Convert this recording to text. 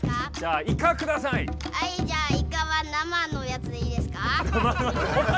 あいじゃあイカは生のやつでいいですか？